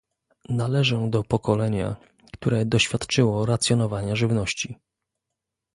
Należę do pokolenia, które doświadczyło racjonowania żywności